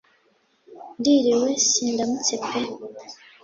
ndiriwe sindamutse pe